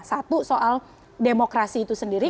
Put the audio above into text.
satu soal demokrasi itu sendiri